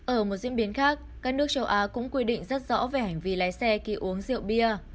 ở một diễn biến khác các nước châu á cũng quy định rất rõ về hành vi lái xe khi uống rượu bia